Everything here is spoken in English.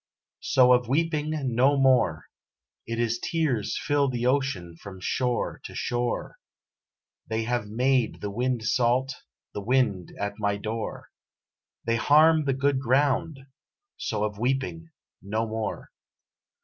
So of weeping no more; It is tears fill the oceans from shore to shore; They have made the wind salt the wind at my door; They harm the good ground so of weeping no more.